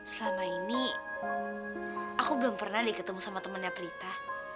selama ini aku belum pernah ketemu sama temennya prita